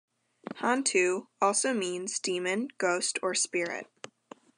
Hantu also means "demon", "ghost" or "spirit".